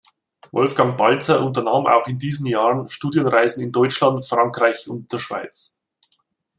Wolfgang Balzer unternahm auch in diesen Jahren Studienreisen in Deutschland, Frankreich und der Schweiz.